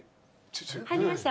入りました？